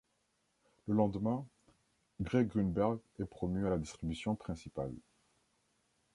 Le lendemain, Greg Grunberg est promu à la distribution principale.